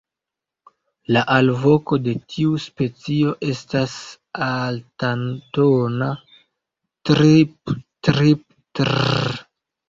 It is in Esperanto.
La alvoko de tiu specio estas altatona "triiip-triip-trrrrrr".